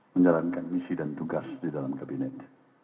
menjalankan misi dan tugas di dalam kabinet